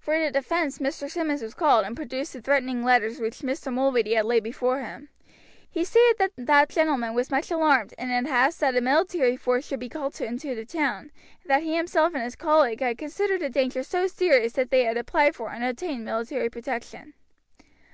For the defense Mr. Simmonds was called, and produced the threatening letters which Mr. Mulready had laid before him. He stated that that gentleman was much alarmed, and had asked that a military force should be called into the town, and that he himself and his colleague had considered the danger so serious that they had applied for and obtained military protection.